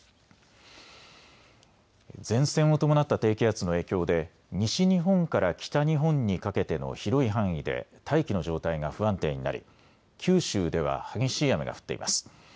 前線を伴った低気圧の影響で西日本から北日本にかけての広い範囲で大気の状態が不安定になり九州では激しい雨が降っています。